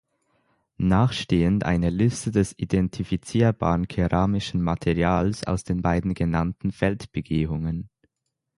Nachstehend eine Liste des identifizierbaren keramischen Materials aus den beiden genannten Feldbegehungen.